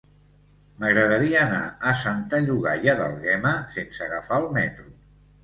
M'agradaria anar a Santa Llogaia d'Àlguema sense agafar el metro.